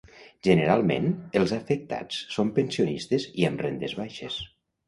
Generalment, els afectats són pensionistes i amb rendes baixes.